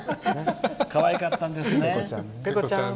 かわいかったんですね。